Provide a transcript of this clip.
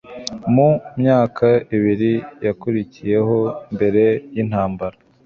Mu myaka ibiri yakurikiyeho mbere yintambara